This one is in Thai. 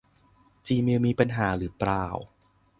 จีเมลมีปัญหาหรือเปล่า